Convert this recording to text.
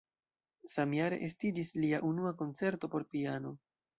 Samjare estiĝis lia unua koncerto por piano.